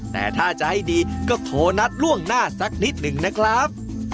แต่ถ้าจะให้ดีก็โทรนัดล่วงหน้าสักนิดหนึ่งนะครับ